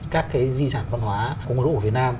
các di sản văn hóa của quốc đội việt nam